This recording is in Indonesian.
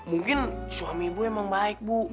ya mungkin suami ibu emang baik bu